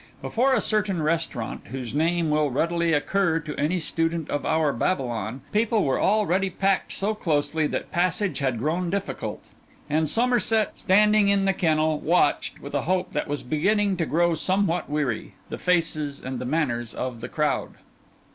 Before a certain restaurant, whose name will readily occur to any student of our Babylon, people were already packed so closely that passage had grown difficult; and Somerset, standing in the kennel, watched, with a hope that was beginning to grow somewhat weary, the faces and the manners of the crowd.